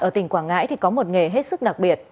ở tỉnh quảng ngãi thì có một nghề hết sức đặc biệt